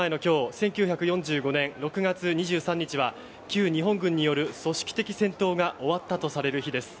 １９４５年６月２３日は旧日本軍による組織的戦闘が終わったとされる日です。